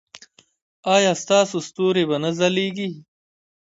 ایا ستاسو ستوري به نه ځلیږي؟